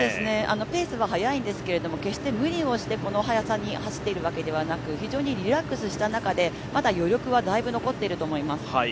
ペースは速いんですけど、決して無理をしてこの速さに走っているわけではなく非常にリラックスした中でまだ余力はだいぶ残っていると思います。